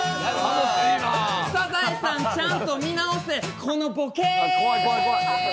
「サザエさん」ちゃんと見直せ、このボケ。